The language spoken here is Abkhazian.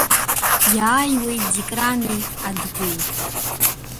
Иааиуеит ДикраниАдгәеи.